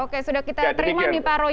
oke sudah kita terima nih pak roy